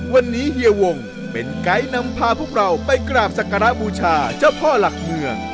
วันนี้เฮียวงเป็นไกด์นำพาพวกเราไปกราบสักการะบูชาเจ้าพ่อหลักเมือง